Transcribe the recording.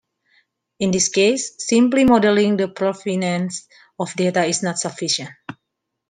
In this case, simply modelling the provenance of data is not sufficient.